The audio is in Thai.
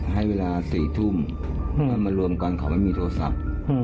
ให้เวลา๔ทุ่มเพื่อมารวมกันเขาไม่มีโทรศัพท์